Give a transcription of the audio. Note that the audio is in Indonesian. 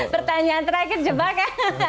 pertanyaan terakhir jebak kan